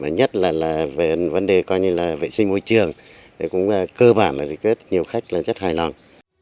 nhất là về vấn đề vệ sinh môi trường cơ bản là nhiều khách rất hài lòng